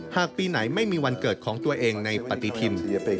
ปีไหนไม่มีวันเกิดของตัวเองในปฏิทิน